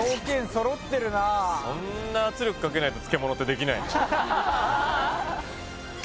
揃ってるなあかけないと漬物ってできないの？